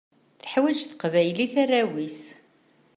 Teḥwaǧ teqbaylit arraw-is.